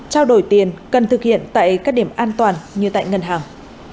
trao đổi tiền cần thực hiện tại các điểm an toàn như tại ngân hàng